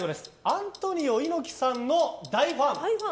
アントニオ猪木さんの大ファン。